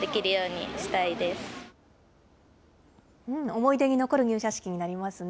思い出に残る入社式になりますね。